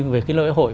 về cái lễ hội